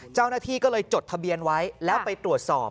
เจ้าหน้าที่ก็เลยจดทะเบียนไว้แล้วไปตรวจสอบ